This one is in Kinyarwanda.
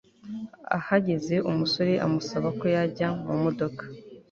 ahageze umusore amusaba ko yajya mumodoka